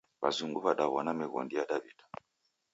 W'azungu w'adaw'ona mighondi ya Daw'ida.